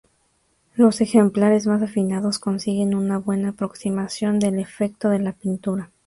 Los ejemplares más afinados consiguen una buena aproximación del efecto de la pintura.